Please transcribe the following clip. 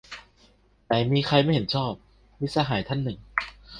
"ไหนมีใคร ไม่เห็นชอบ" - มิตรสหายท่านหนึ่ง